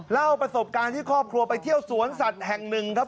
เล่าประสบการณ์ที่ครอบครัวไปเที่ยวสวนสัตว์แห่งหนึ่งครับ